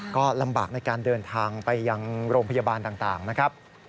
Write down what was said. ก็ลำบากในการเดินทางไปยังโรงพยาบาลต่างนะครับ